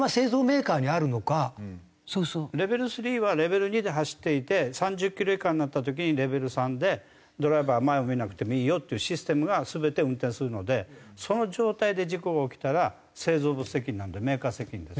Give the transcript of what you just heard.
レベル３はレベル２で走っていて３０キロ以下になった時にレベル３でドライバーは前を見なくてもいいよっていうシステムが全て運転するのでその状態で事故が起きたら製造物責任なのでメーカー責任です。